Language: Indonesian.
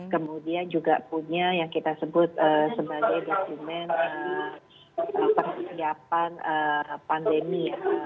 kemudian juga punya yang kita sebut sebagai dokumen persiapan pandemi ya